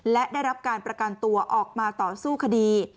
และได้รับการประกันตัวออกมาต่อสู้คดี